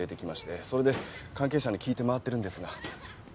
それで関係者に聞いて回ってるんですが。